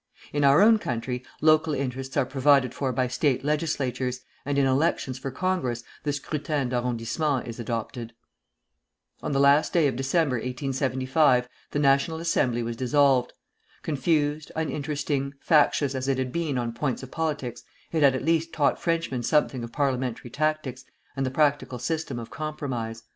In our own country local interests are provided for by State legislatures, and in elections for Congress the scrutin d'arrondissement is adopted. On the last day of December, 1875, the National Assembly was dissolved. Confused, uninteresting, factious as it had been on points of politics, it had at least taught Frenchmen something of parliamentary tactics and the practical system of compromise.